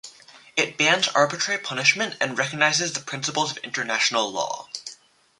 It bans arbitrary punishment and recognises the principles of international law.